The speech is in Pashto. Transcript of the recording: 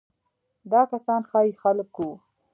دا کسان ځايي خلک وو.